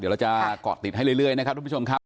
เดี๋ยวเราจะเกาะติดให้เรื่อยนะครับทุกผู้ชมครับ